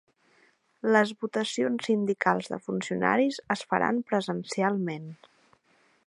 Les votacions sindicals de funcionaris es faran presencialment